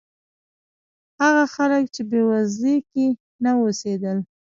هغه خلک چې بېوزلۍ کې نه اوسېدل.